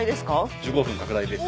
１５分拡大です。